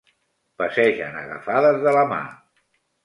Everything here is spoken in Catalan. Passegen agafades de la mà.